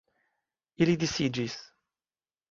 Ili disiĝis.